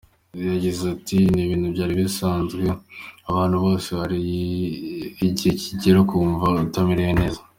Yagize ati “Ni ibintu byari bisanzwe, abantu bose hari igihe kigera ukumva utamerewe neza.